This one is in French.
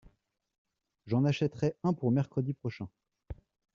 J’en achèterai un pour mercredi prochain.